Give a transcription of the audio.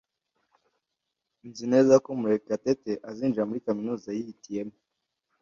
Nzi neza ko Murekatete azinjira muri kaminuza yihitiyemo.